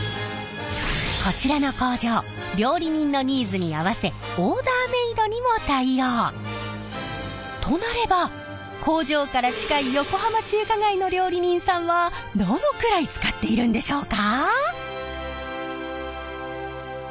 こちらの工場料理人のとなれば工場から近い横浜中華街の料理人さんはどのくらい使っているんでしょうか？